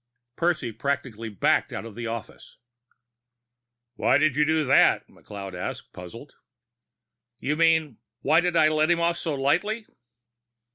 Percy practically backed out of the office. "Why did you do that?" McLeod asked, puzzled. "You mean, why did I let him off so lightly?"